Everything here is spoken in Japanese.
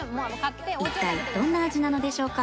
一体どんな味なのでしょうか？